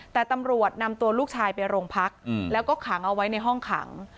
แต่ตำรวจนำตัวลูกชายไปโรงพักแล้วก็ขังเอาไว้ในห้องขัง